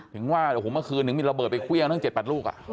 ถึงว่าโอ้โหเมื่อคืนถึงมีระเบิดไปเครื่องทั้ง๗๘ลูก